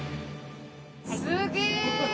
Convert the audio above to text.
すげえ！